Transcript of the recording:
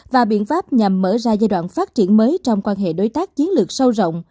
và biện pháp nhằm mở ra giai đoạn phát triển mới trong quan hệ đối tác chiến lược sâu rộng